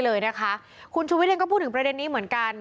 เลยนะคะคุณชูวิทเองก็พูดถึงประเด็นนี้เหมือนกัน